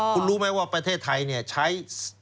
คุณรู้ไหมว่าประเทศไทยใช้